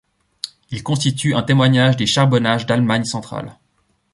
Il constitue un témoignage des charbonnages d'Allemagne centrale.